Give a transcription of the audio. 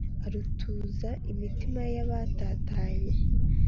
Arutuza imitima y'abatatanye